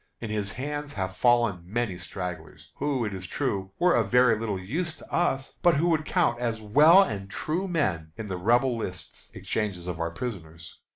In his hands have fallen many stragglers, who, it is true, were of very little use to us, but who would count as well as true men in the Rebel lists of exchanges of prisoners.